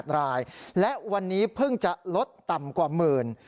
๘รายและวันนี้เพิ่งจะลดต่ำกว่าหมื่น